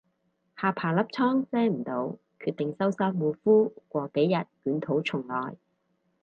下巴粒瘡遮唔到，決定收山護膚過幾日捲土重來